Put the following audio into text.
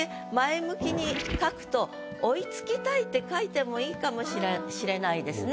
書くと「追いつきたい」って書いてもいいかもしれないですね。